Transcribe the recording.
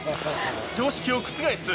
常識を覆す